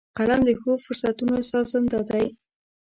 قلم د ښو فرصتونو سازنده دی